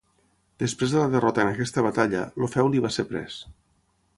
Després de la derrota en aquesta batalla, el feu li va ser pres.